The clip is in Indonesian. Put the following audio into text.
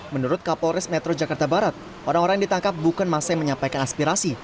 menurut kapolres metro jakarta barat orang orang yang ditangkap bukan masa yang menyampaikan aspirasi